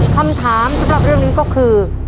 คำถามสำหรับเรื่องนี้ก็คือ